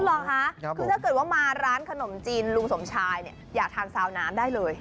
หรอคะคือถ้าเกิดว่ามาร้านขนมจีนลุงสมชายเนี่ยอยากทานซาวน้ำได้เลย